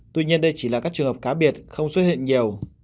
tuy nhiên đây chỉ là các trường hợp cá biệt không xuất hiện nhiều